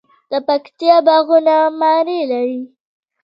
د پکتیا باغونه مڼې لري.